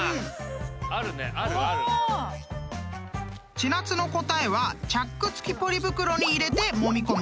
［千夏の答えはチャック付きポリ袋に入れてもみ込む！］